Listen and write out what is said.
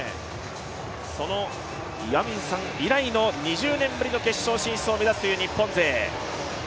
その岩水さん以来の２０年ぶりの決勝進出を目指すという日本勢。